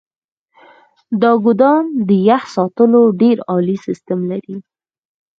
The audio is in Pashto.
دا ګودام د يخ ساتلو ډیر عالي سیستم لري.